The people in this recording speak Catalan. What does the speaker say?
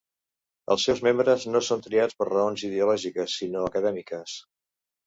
Els seus membres no són triats per raons ideològiques sinó acadèmiques.